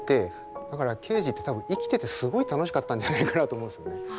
だからケージって多分生きててすごい楽しかったんじゃないかなと思うんですよね。